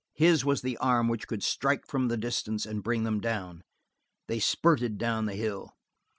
His was the arm which could strike from the distance and bring them down. They spurted down the hill.